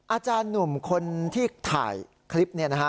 อาจารย์หนุ่มคนที่ถ่ายคลิปเนี่ยนะฮะ